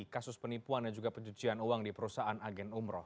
kasus penipuan dan juga pencucian uang di perusahaan agen umroh